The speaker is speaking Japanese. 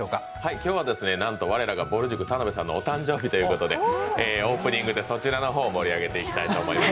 今日はなんと我らがぼる塾・田辺さんの誕生日ということでオープニングでそちらの方を盛り上げていきたいと思います。